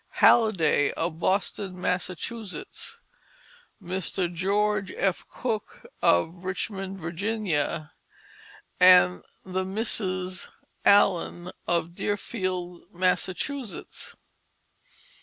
Halliday of Boston, Massachusetts, Mr. George F. Cook of Richmond, Virginia, and the Misses Allen of Deerfield, Massachusetts.